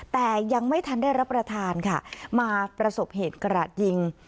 แต่ยังไม่ทันได้รับประทานค่ะมาประสบเหตุกระหลาดยิง